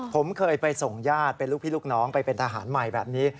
ผมเคยไปส่งญาติเป็นลูกพี่ลูกน้องไปเป็นทหารใหม่แบบนี้